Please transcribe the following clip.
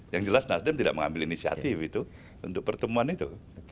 yang jelas nasdem tidak mengambil inisiatif itu untuk pertemuan itu